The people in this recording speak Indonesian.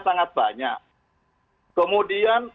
sangat banyak kemudian